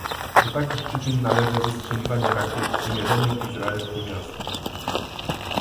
Do takich przyczyn należy wystrzeliwanie rakiet wymierzonych w izraelskie miasta